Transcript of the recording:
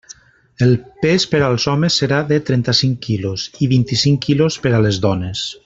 El pes per als homes serà de trenta-cinc quilos i vint-i-cinc quilos per a les dones.